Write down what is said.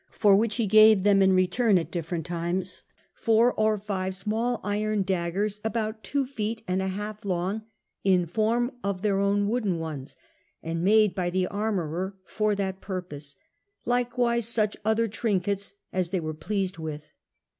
for which in return he gave them at different times four or five small iron daggers, about two feet and a half long, in form of their own wooden ones, and made by the armourer for that purpose, likewise such other trinkets as they were pleasetl with.